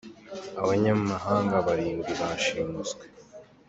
Abanyamahanga barindwi bashimuswe